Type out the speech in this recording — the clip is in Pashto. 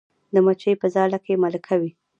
د مچۍ په ځاله کې ملکه وي